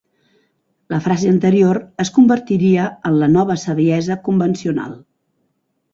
La frase anterior es convertiria en la nova saviesa convencional.